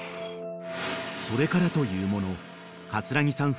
［それからというもの葛城さん